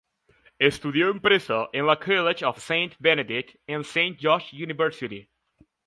Estudió empresa en la College of Saint Benedict and Saint John's University.